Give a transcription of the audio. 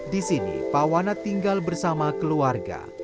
di sini pawana tinggal bersama keluarga